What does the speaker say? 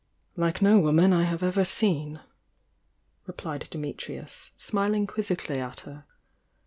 . "Like no woman I have ever seen! replied Di mitrius, smiling quizzically at her.